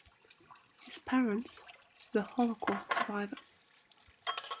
His parents were Holocaust survivors.